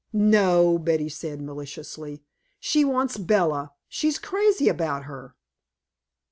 "No," Betty said maliciously. "She wants Bella she's crazy about her."